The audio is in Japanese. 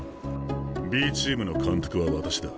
Ｂチームの監督は私だ。